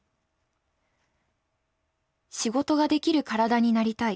「仕事ができる体になりたい。